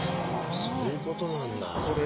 そういうことなんだ。